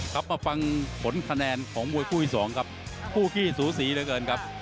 ครับมาฟังผลคะแนนของมวยคู่ที่สองครับคู่กี้สูสีเหลือเกินครับ